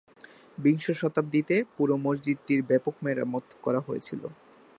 বিংশ শতাব্দীতে পুরো মসজিদটির ব্যাপক মেরামত করা হয়েছিল।